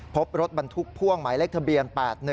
พบรถบรรทุกพ่วงหมายเลขทะเบียน๘๑